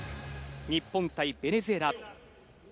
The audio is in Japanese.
日本対ベネズエラ。